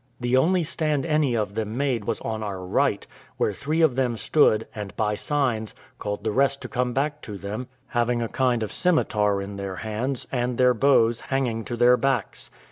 The only stand any of them made was on our right, where three of them stood, and, by signs, called the rest to come back to them, having a kind of scimitar in their hands, and their bows hanging to their backs.